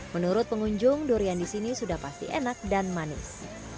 menurut pengunjung durian di sini sudah pasti enak dan manis